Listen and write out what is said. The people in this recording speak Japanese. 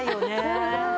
うん。